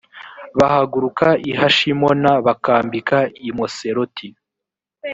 bahaguruka i hashimona bakambika i moseroti